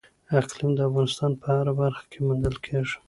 اقلیم د افغانستان په هره برخه کې موندل کېږي.